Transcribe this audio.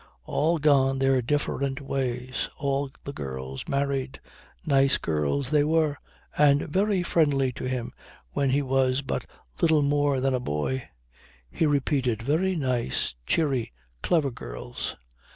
All gone their different ways. All the girls married. Nice girls they were and very friendly to him when he was but little more than a boy. He repeated: 'Very nice, cheery, clever girls.'